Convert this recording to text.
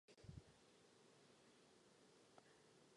V té době začíná mít Beran zdravotní problémy.